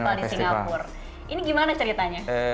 ini gimana ceritanya